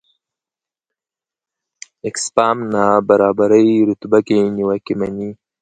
اکسفام نابرابرۍ رتبه کې نیوکې مني.